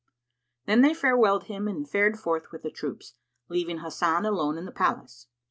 Then they farewelled him and fared forth with the troops, leaving Hasan alone in the palace.